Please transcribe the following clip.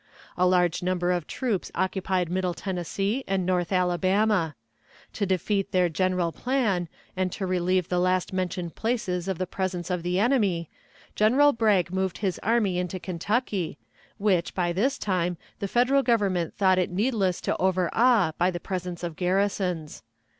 A large number of troops occupied Middle Tennessee and north Alabama. To defeat their general plan, and to relieve the last mentioned places of the presence of the enemy, General Bragg moved his army into Kentucky, which, by this time, the Federal Government thought it needless to overawe by the presence of garrisons.